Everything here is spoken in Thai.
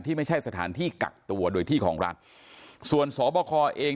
ไม่ใช่สถานที่กักตัวโดยที่ของรัฐส่วนสบคเอง